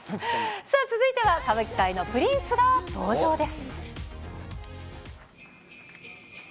さあ、続いては歌舞伎界のプリンスが登場です。